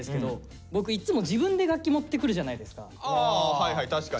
はいはい確かに。